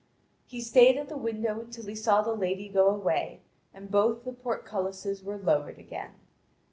He stayed at the window until he saw the lady go away, and both the portcullises were lowered again.